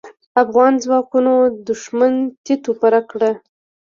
افغان ځواکونو دوښمن تيت و پرک کړ.